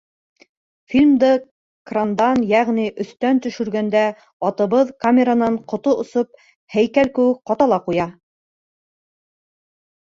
Фильмды крандан, йәғни өҫтән, төшөргәндә атыбыҙ, камеранан ҡото осоп, һәйкәл кеүек ҡата ла ҡуя.